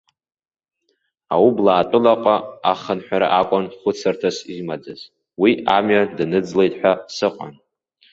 Аублаатәылаҟа ахынҳәра акәын хәыцырҭас имаӡаз, уи амҩа даныӡлеит ҳәа сыҟан.